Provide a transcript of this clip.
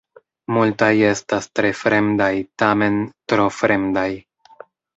Multaj estas tre fremdaj tamen, tro fremdaj.